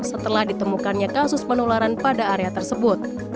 setelah ditemukannya kasus penularan pada area tersebut